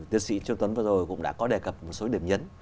tiến sĩ trương tuấn vừa rồi cũng đã có đề cập một số điểm nhấn